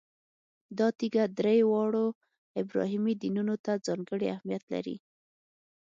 دا تیږه درې واړو ابراهیمي دینونو ته ځانګړی اهمیت لري.